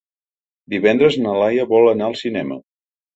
Divendres na Laia vol anar al cinema.